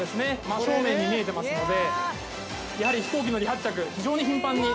真正面に見えてますのでやはり飛行機の離発着非常に頻繁に。